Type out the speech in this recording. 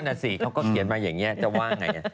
นั่นแหนะสิเค้าก็เขียนมาอย่างนี้เจ้าว่าไง